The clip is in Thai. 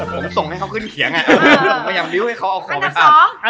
ผมส่งให้เขาขึ้นเขียงผมพยายามลิ้วให้เขาเอาของไปอับ